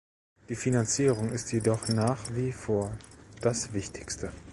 Die Finanzierung ist jedoch nach wie vor das Wichtigste.